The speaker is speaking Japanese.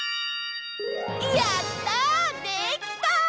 やったできた！